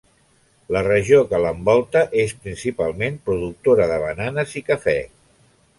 La regió que l'envolta és principalment productora de bananes i cafè.